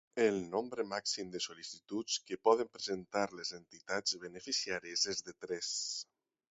El nombre màxim de sol·licituds que poden presentar les entitats beneficiàries és de tres.